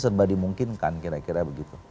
serba dimungkinkan kira kira begitu